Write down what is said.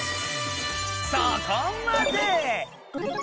そこまで！